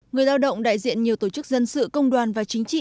người lao động đại diện nhiều tổ chức dân sự công đoàn và chính trị